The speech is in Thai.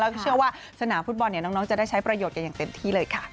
แล้วก็เชื่อว่าสนามฟุตบอลน้องจะได้ใช้ประโยชน์กันอย่างเต็มที่เลยค่ะ